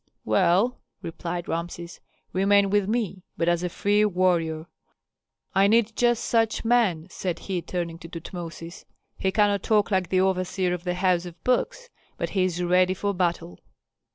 "Well," replied Rameses, "remain with me, but as a free warrior. I need just such men," said he, turning to Tutmosis. "He cannot talk like the overseer of the house of books, but he is ready for battle."